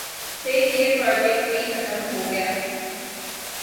پھر یہ پراجیکٹ وہیں ختم ہو گیا۔